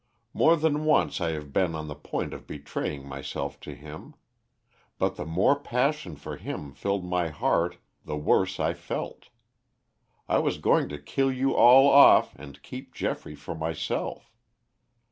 "More than once I have been on the point of betraying myself to him. But the more passion for him filled my heart the worse I felt. I was going to kill you all off and keep Geoffrey for myself.